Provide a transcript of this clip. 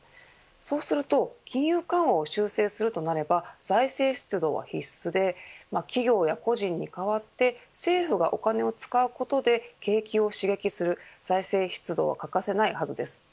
そうすると金融緩和を修正するとなれば財政出動は必須で企業や個人に代わって政府がお金を使うことで景気を刺激する財政出動は欠かせないはずです。